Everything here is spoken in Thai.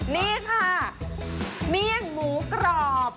นี่ค่ะเมี่ยงหมูกรอบ